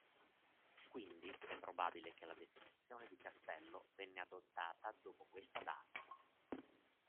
Quindi è probabile che la definizione di castello venne adottata dopo questa data.